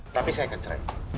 tapi saya akan cerai